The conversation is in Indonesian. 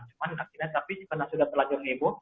cuman akhirnya tapi karena sudah terlanjur heboh